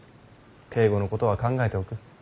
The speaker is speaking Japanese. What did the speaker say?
警固のことは考えておく。